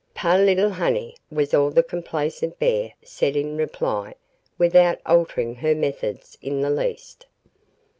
"Po' lil' honey," was all the complacent "bear" said in reply, without altering her methods in the least.